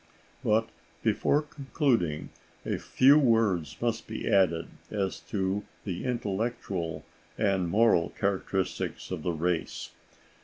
But, before concluding, a few words must be added as to the intellectual and moral characteristics of the race.